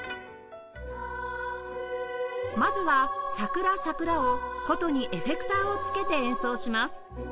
まずは『さくらさくら』を箏にエフェクターをつけて演奏します